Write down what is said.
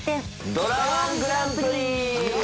ドラ−１グランプリ。